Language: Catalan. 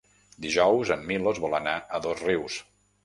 Dijous en Milos vol anar a Dosrius.